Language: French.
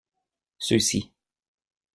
Ceux-ci.